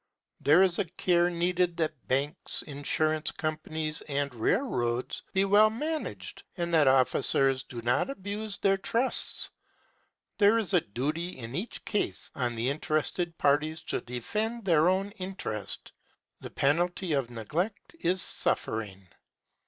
There is care needed that banks, insurance companies, and railroads be well managed, and that officers do not abuse their trusts. There is a duty in each case on the interested parties to defend their own interest. The penalty of neglect is suffering.